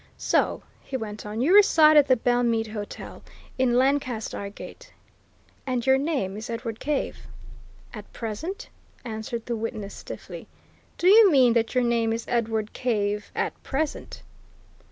So," he went on, "you reside at the Belmead Hotel, in Lancaster Gate, and your name is Edward Cave?" "At present," answered the witness, stiffly. "Do you mean that your name is Edward Cave at present?"